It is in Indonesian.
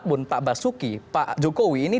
pun pak basuki pak jokowi ini